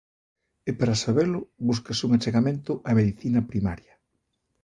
E para sabelo búscase un achegamento á medicina primaria.